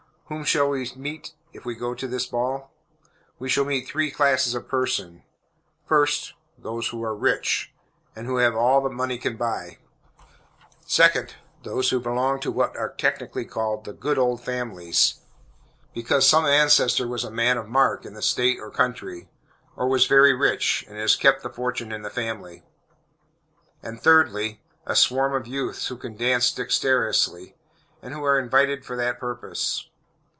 Whom shall we meet if we go to this ball? We shall meet three classes of persons: first, those who are rich, and who have all that money can buy; second, those who belong to what are technically called "the good old families," because some ancestor was a man of mark in the state or country, or was very rich, and has kept the fortune in the family; and, thirdly, a swarm of youths who can dance dexterously, and who are invited for that purpose.